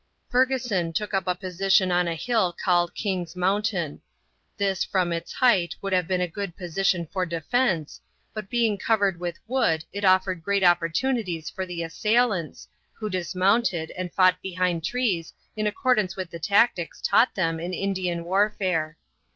Fergusson took up a position on a hill called King's Mountain. This from its height would have been a good position for defense, but being covered with wood it offered great opportunities for the assailants, who dismounted and fought behind trees in accordance with the tactics taught them in Indian warfare.